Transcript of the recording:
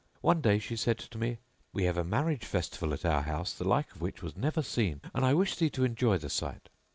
One day she said to me, 'We have a marriage festival at our house the like of which was never seen and I wish thee to enjoy the sight.'